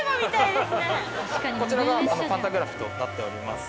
こちらがパンタグラフとなっております。